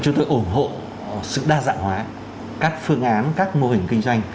chúng tôi ủng hộ sự đa dạng hóa các phương án các mô hình kinh doanh